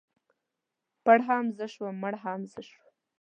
پړ هم زه شوم مړ هم زه شوم.